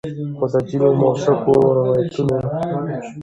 خو د ځینو مؤثقو روایتونو